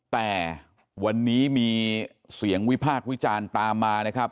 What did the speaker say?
แต่วันนี้มีเสียงวิพากษ์วิจารณ์ตามมานะครับ